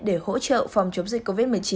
để hỗ trợ phòng chống dịch covid một mươi chín